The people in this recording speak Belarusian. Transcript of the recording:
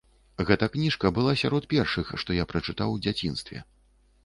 Гэта кніжка была сярод першых, што я прачытаў у дзяцінстве.